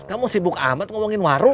kamu sibuk amat ngomongin warung